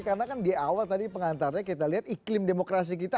karena kan di awal tadi pengantarnya kita lihat iklim demokrasi kita